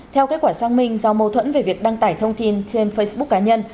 theo kết quả sang minh do mâu thuẫn về việc đăng tải thông tin trên facebook cá nhân